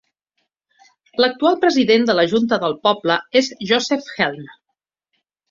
L'actual president de la junta del poble és Joseph Helm.